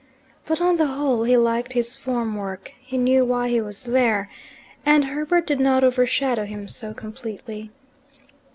But on the whole he liked his form work: he knew why he was there, and Herbert did not overshadow him so completely.